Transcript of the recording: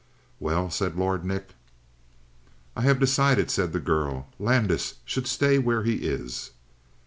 "Well?" said Lord Nick. "I have decided," said the girl. "Landis should stay where he is."